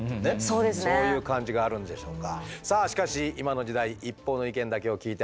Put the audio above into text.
そういう感じがあるんでしょうか。